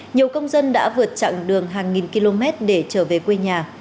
nhiều công dân đã vượt chặng đường hàng nghìn km để trở về quê nhà